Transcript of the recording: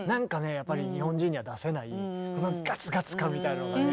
やっぱり日本人には出せないガツガツ感みたいなのがね